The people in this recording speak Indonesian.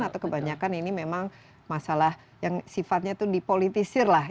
atau kebanyakan ini memang masalah yang sifatnya itu dipolitisir lah